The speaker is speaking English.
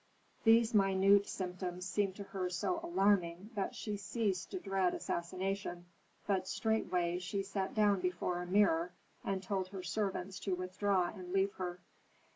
These minute symptoms seemed to her so alarming that she ceased to dread assassination, but straightway she sat down before a mirror, and told her servants to withdraw and leave her.